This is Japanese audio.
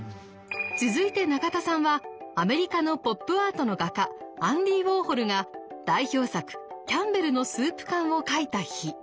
続いて中田さんはアメリカのポップアートの画家アンディ・ウォーホルが代表作「キャンベルのスープ缶」を描いた日。